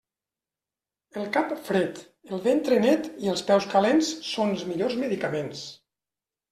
El cap fred, el ventre net i els peus calents són els millors medicaments.